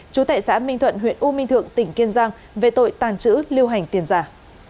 chú tại xã minh thuận huyện u minh thượng tỉnh kiên giang về tội tàng trữ lưu hành tiền giả